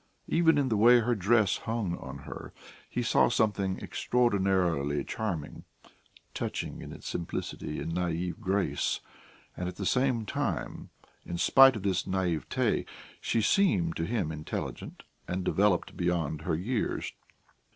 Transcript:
Even in the way her dress hung on her, he saw something extraordinarily charming, touching in its simplicity and naïve grace; and at the same time, in spite of this naïveté, she seemed to him intelligent and developed beyond her years.